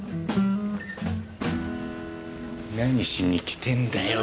何しに来てんだよ